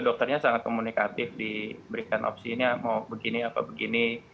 dokternya sangat komunikatif diberikan opsinya mau begini apa begini